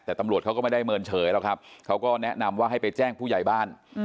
แต่ตำรวจเขาก็ไม่ได้เมินเฉยหรอกครับเขาก็แนะนำว่าให้ไปแจ้งผู้ใหญ่บ้าน